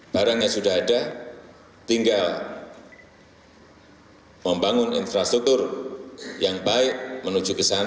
barangnya sudah ada tinggal membangun infrastruktur yang baik menuju ke sana